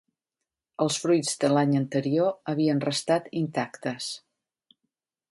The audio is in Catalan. Els fruits de l'any anterior havien restat intactes.